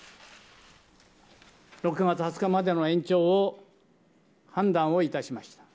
６月２０日までの延長を判断をいたしました。